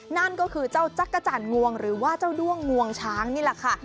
นั่นก็คือเจ้าจักรจันทร์งวงหรือว่าเจ้าด้วงงวงช้างนี่แหละค่ะ